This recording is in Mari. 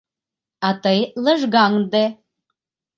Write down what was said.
— А тый лыжгаҥде.